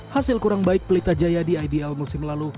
hasil kurang baik pelita jaya di ibl musim lalu